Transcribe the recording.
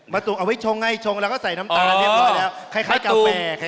มะตูมเอาไว้ชงไงชงแล้วก็ใส่น้ำตาละเนี่ยพอแล้วคล้ายกาแฟคล้ายกาแฟ